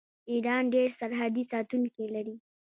ایران ډیر سرحدي ساتونکي لري.